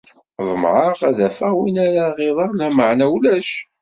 Ḍemɛeɣ ad afeɣ win ara ɣiḍeɣ, lameɛna ulac!